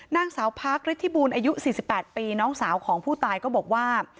นางสาวพักฤทธิบูลอายุ๔๘ปีน้องสาวของผู้ตายก็บอกว่า